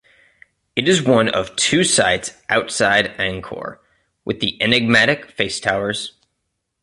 It is one of two sites outside Angkor with the enigmatic face-towers.